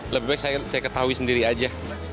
lebih baik saya ketahui sendiri aja